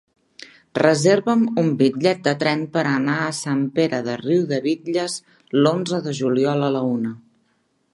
Reserva'm un bitllet de tren per anar a Sant Pere de Riudebitlles l'onze de juliol a la una.